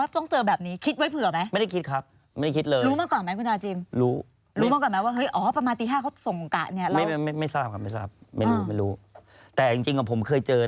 ตอนออกมาโบกตี๔คิดไหมว่าต้องเจอแบบนี้คิดไว้เผื่อไหม